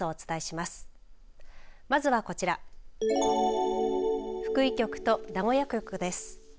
まずはこちら福井局と名古屋局です。